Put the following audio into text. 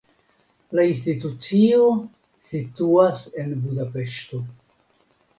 La institucio situas en Budapeŝto.